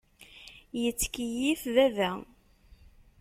Yettkeyyif baba.